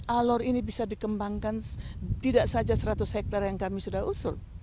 alor ini bisa dikembangkan tidak saja seratus hektare yang kami sudah usul